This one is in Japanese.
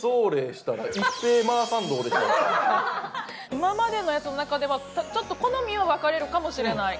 今までのやつの中では、好みは分かれるかもしれない。